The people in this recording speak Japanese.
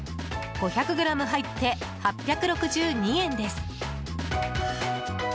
５００ｇ入って８６２円です。